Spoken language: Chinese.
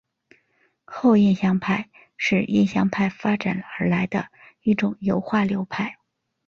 后印象派是印象派发展而来的一种油画流派。